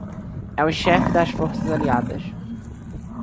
É o chefe das forças aliadas.